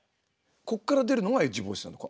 ここから出るのがエッジボイスなのか。